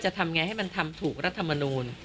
ทำไงให้มันทำถูกรัฐมนูล